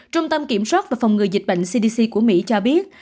trung tâm kiểm soát và phòng ngừa dịch bệnh cdc của mỹ cho biết